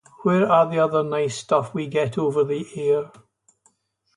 Where are the other nice stuff we get over the air?